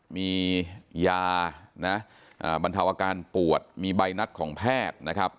มียานะบรรเทาอาการปวดมีใบนัดของแพทย์นะครับ